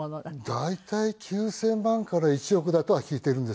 大体９０００万から１億だとは聞いているんですけど。